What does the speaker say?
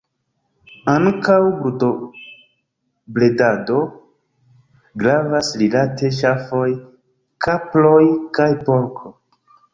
Ankaŭ brutobredado gravas rilate ŝafoj, kaproj kaj porko.